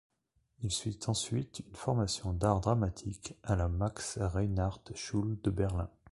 Il suit ensuite une formation d'art dramatique à la Max-Reinhardt-Schule de Berlin.